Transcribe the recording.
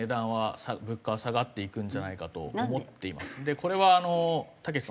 これはたけしさん